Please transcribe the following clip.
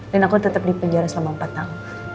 dan aku tetap dipinjar selama empat tahun